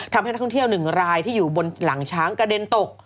ทำให้นักท่องเที่ยวหนึ่งรายที่อยู่บนหลังช้างกระเด็นตก